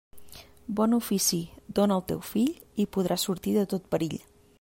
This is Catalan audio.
Bon ofici dóna al teu fill i podrà sortir de tot perill.